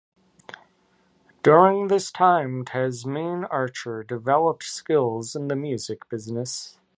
During this time, Tasmin Archer developed skills in the music business.